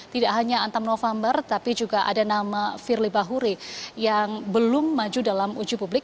tidak hanya antam november tapi juga ada nama firly bahuri yang belum maju dalam uji publik